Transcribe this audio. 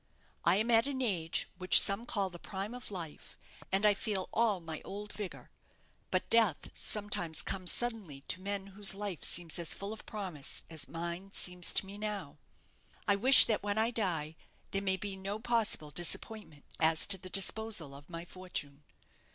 I am at an age which some call the prime of life, and I feel all my old vigour. But death sometimes comes suddenly to men whose life seems as full of promise as mine seems to me now. I wish that when I die there may be no possible disappointment as to the disposal of my fortune.